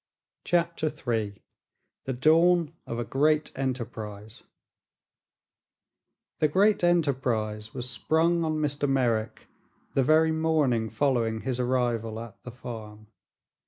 CHAPTER III THE DAWN OF A GREAT ENTERPRISE The great enterprise was sprung on Mr. Merrick the very morning following his arrival at the farm.